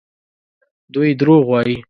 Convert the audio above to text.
دوی دروغ وايي.